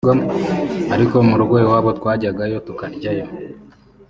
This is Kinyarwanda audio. ariko mu rugo iwabo twajyagayo tukaryayo